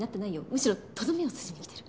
むしろとどめを刺しにきてる。